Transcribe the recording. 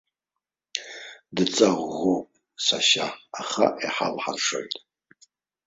Дҵа ӷәӷәоуп, сашьа, аха иҳалҳаршоит.